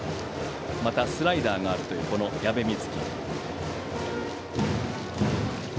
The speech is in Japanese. また、スライダーがあるというこの矢部充稀。